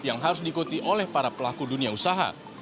yang harus diikuti oleh para pelaku dunia usaha